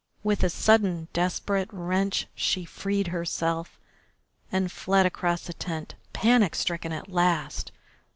With a sudden desperate wrench she freed herself and fled across the tent panic stricken at last.